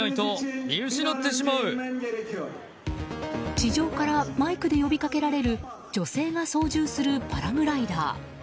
地上からマイクで呼びかけられる女性が操縦するパラグライダー。